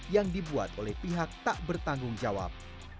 yang dibuat oleh pihak tak bertanggung jawab